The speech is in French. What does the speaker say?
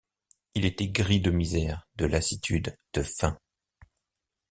Il était gris de misère, de lassitude, de faim.